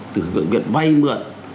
từ việc vay mượn